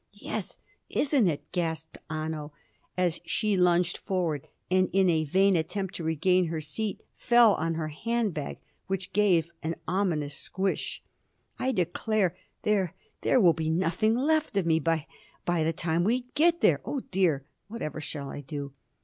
"Yes isn't it?" gasped Anno, as she lunged forward, and in a vain attempt to regain her seat fell on their handbag, which gave an ominous squish. "I declare there there will be nothing left of me by the by the time we get there. Oh dear! Whatever shall I do?